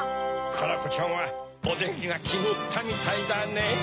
カラコちゃんはおでんがきにいったみたいだね。